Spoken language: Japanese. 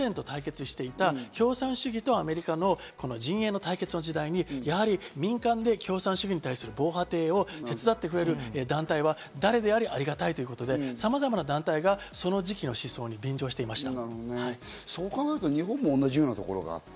ソ連と対決していた共産主義とアメリカの陣営の対決の時代に民間で共産主義に対する防波堤を手伝ってくれる団体は誰であれ、ありがたいということでさまざまな団体がその時期の思想に便乗していました。